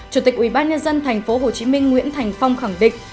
chủ tịch ubnd tp hcm nguyễn thành phong khẳng định